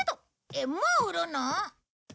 えっもう売るの？